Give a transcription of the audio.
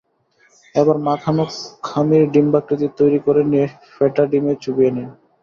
এবার মাখানো খামির ডিম্বাকৃতির তৈরি করে নিয়ে ফেটা ডিমে চুবিয়ে নিন।